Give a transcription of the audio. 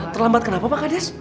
terlambat kenapa pak kades